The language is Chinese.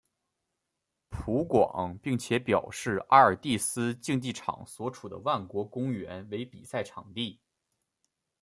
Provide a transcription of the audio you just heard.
葡广并且表示阿尔蒂斯竞技场所处的万国公园为比赛场地。